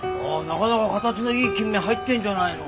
なかなか形のいいキンメ入ってるじゃないの。